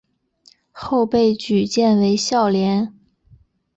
后被举荐为孝廉。